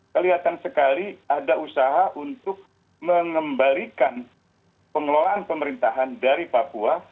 kelihatan sekali ada usaha untuk mengembalikan pengelolaan pemerintahan dari papua